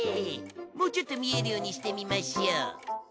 もうちょっと見えるようにしてみましょう。